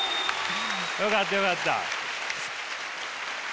よかったよかった！